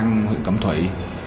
công an huyện cẩm thủy